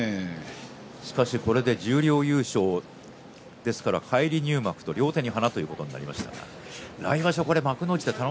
しかし、これで十両優勝ですから返り入幕と両手に花ということになりました。